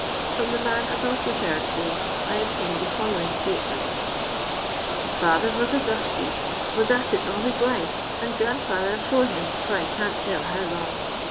From the man above referred to I obtained the following statement :—" Father vos a dustie ;— vos at it all his life, and grandfi&ther afore him for I can't tell how long.